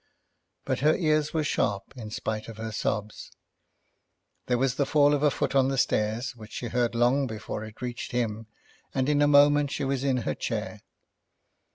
But her ears were sharp in spite of her sobs. There was the fall of a foot on the stairs which she heard long before it reached him, and, in a moment, she was in her chair.